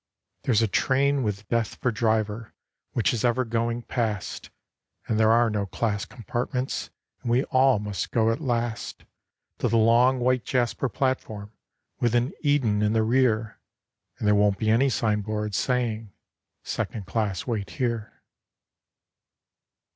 There's a train with Death for driver, which is ever going past, And there are no class compartments, and we all must go at last To the long white jasper platform with an Eden in the rear; And there won't be any signboards, saying 'Second class wait here.